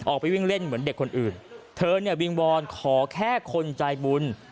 ออกไปวิ่งเล่นเหมือนเด็กคนอื่นเธอเนี่ยวิงวอนขอแค่คนใจบุญ